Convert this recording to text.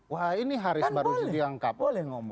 wah ini harus baru diangkap kan boleh boleh ngomong